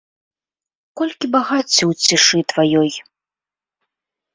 Колькі багацця ў цішы тваёй.